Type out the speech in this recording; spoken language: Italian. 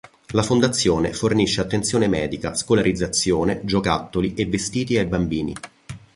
La fondazione fornisce attenzione medica, scolarizzazione, giocattoli e vestiti ai bambini.